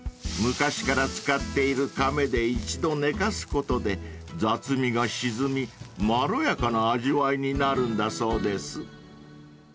［昔から使っているかめで一度寝かすことで雑味が沈みまろやかな味わいになるんだそうです］